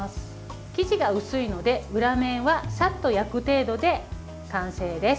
生地が薄いので裏面は、さっと焼く程度で完成です。